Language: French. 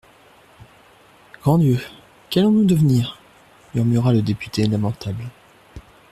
Grand Dieu ! qu'allons-nous devenir ? murmura le député lamentable.